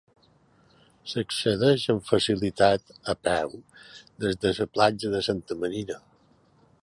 S'accedeix amb facilitat a peu des de la platja de Santa Marina.